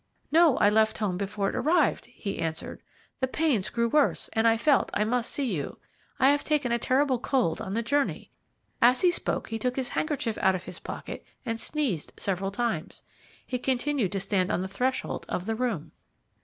"'No; I left home before it arrived,' he answered. 'The pains grew worse, and I felt I must see you. I have taken a horrible cold on the journey.' As he spoke he took his handkerchief out of his pocket, and sneezed several times. He continued to stand on the threshold of the room.